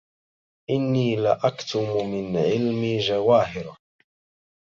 إني لأكتم من علمي جواهره